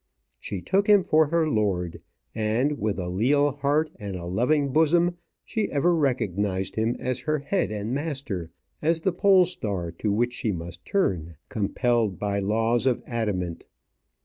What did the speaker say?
She took him for her lord, and with a leal heart and a loving bosom she ever recognized him as her head and master, as the pole star to which she must turn, compelled by laws of adamant.